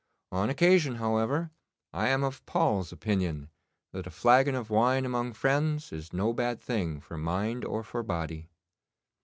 On occasion, however, I am of Paul's opinion, that a flagon of wine among friends is no bad thing for mind or for body.